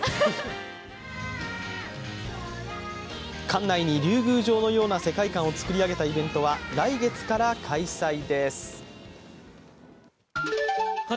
館内に竜宮城のような世界観を作り上げたイベントは来月から開催です。